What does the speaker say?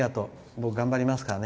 僕、頑張りますからね。